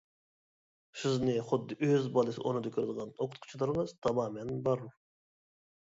سىزنى خۇددى ئۆز بالىسى ئورنىدا كۆرىدىغان ئوقۇتقۇچىلىرىڭىز تامامەن بار.